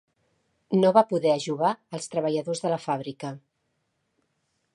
No va poder ajovar els treballadors de la fàbrica.